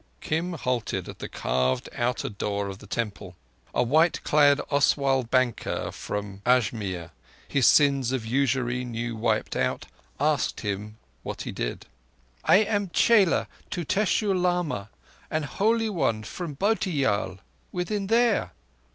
Kim halted at the carved outer door of the temple. A white clad Oswal banker from Ajmir, his sins of usury new wiped out, asked him what he did. "I am chela to Teshoo Lama, an Holy One from Bhotiyal—within there.